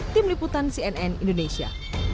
tim liputan cnn indonesia